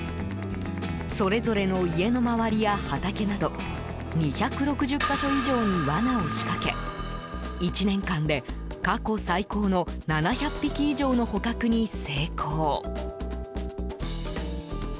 それぞれの家の周りや畑など２６０か所以上に罠を仕掛け１年間で過去最高の７００匹以上の捕獲に成功。